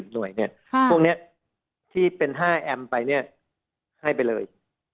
หน่วยพวกนี้ที่เป็น๕แอมป์ไปให้ไปเลย